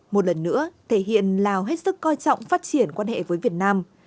một lần nữa thể hiện lào hết sức coi trọng phát triển quan hệ với việt nam